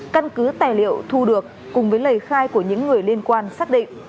căn cứ tài liệu thu được cùng với lời khai của những người liên quan xác định